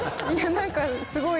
何かすごい。